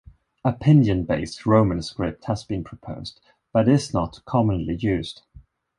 A pinyin-based Roman script has been proposed, but is not commonly used.